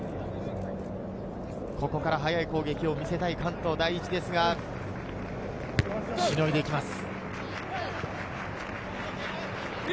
ここから速い攻撃を見せたい関東第一ですが、しのいでいきます。